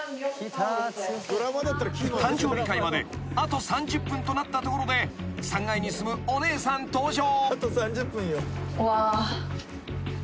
［誕生日会まであと３０分となったところで３階に住むお姉さん登場］